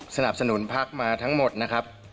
สนับสนุนพักมาทั้งหมดนะครับ